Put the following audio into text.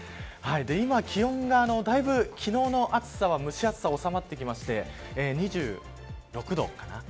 今、気温がだいぶ昨日の蒸し暑さはおさまってきて２６度かな。